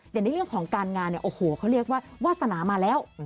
ในเรื่องของการงานเนี่ยโอ้โหเขาเรียกว่าวาสนามาแล้ว